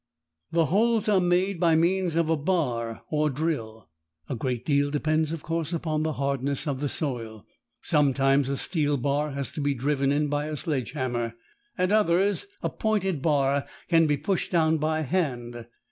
The holes are made by means of a bar or drill. A great deal depends, of course, upon the hardness of the soil. Sometimes a steel bar has to be driven in by a sledge hammer. At others a pointed bar can be pushed down by hand.